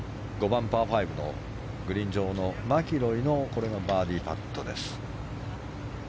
５番、パー５のグリーン上のマキロイのバーディーパットです。